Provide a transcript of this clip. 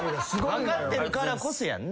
分かってるからこそやんな。